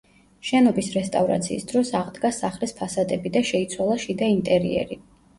შენობის რესტავრაციის დროს აღდგა სახლის ფასადები და შეიცვალა შიდა ინტერიერი.